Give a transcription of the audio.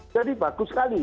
jadi bagus sekali